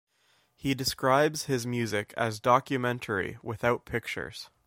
He describes his music as documentary without pictures.